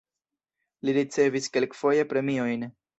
Li ricevis kelkfoje premiojn.